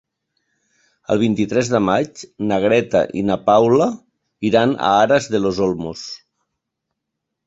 El vint-i-tres de maig na Greta i na Paula iran a Aras de los Olmos.